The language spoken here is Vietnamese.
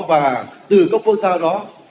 và từ các quốc gia đó